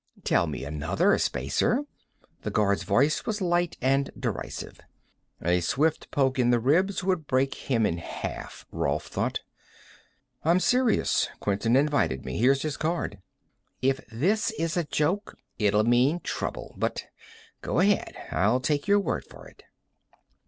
"Tell me another, Spacer." The guard's voice was light and derisive. A swift poke in the ribs would break him in half, Rolf thought. "I'm serious. Quinton invited me. Here's his card." "If this is a joke it'll mean trouble. But go ahead; I'll take your word for it."